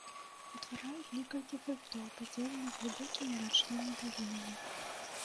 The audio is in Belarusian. Утвараюць некалькі хрыбтоў, падзеленых глыбокімі рачнымі далінамі.